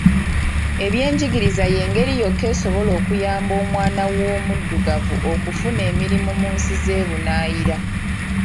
Ebyenjigiriza ye ngeri yokka esobola okuyamba omwana w'omuddugavu okufuna emirimu mu nsi z'ebunaayira.